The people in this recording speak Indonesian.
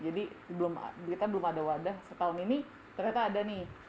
jadi kita belum ada wadah setahun ini ternyata ada nih